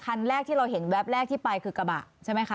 คันแรกที่เราเห็นแวบแรกที่ไปคือกระบะใช่ไหมคะ